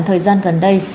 thời gian gần đây